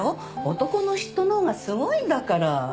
男の嫉妬のほうがすごいんだから。